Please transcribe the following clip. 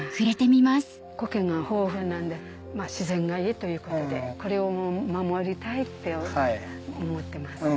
苔が豊富なんで自然がいいということでこれを守りたいって思ってます。